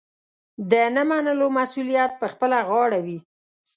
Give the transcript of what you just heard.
د نه منلو مسوولیت پخپله غاړه وي.